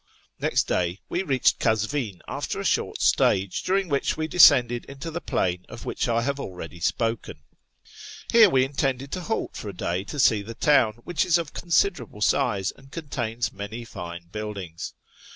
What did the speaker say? Xext day we reached Kazvi'u after a shurt stage, during which we descended into the i^lain of which I have already spoken. Here we intended to halt for a day to see the town, which is of considerable size and contains many fine buildings.